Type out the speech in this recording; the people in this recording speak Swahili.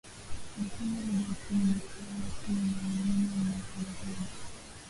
lakini lugha kuu ni saba tu na nyingine ni lahaja